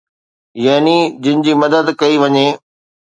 يعني جن جي مدد ڪئي وڃي.